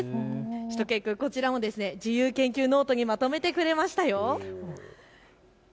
しゅと犬くん、こちらも自由研究ノートにまとめてくれました。